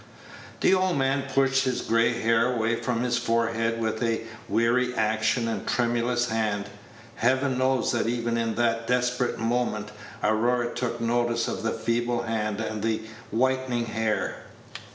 The old man pushed his gray hair away from his forehead with a weary action and a tremulous hand. Heaven knows that even in that desperate moment Aurora took notice of the feeble hand and the whitening hair.